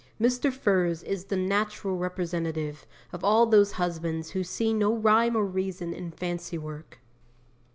Mr. Furze is the natural representative of all those husbands who see no rhyme or reason in fancy work.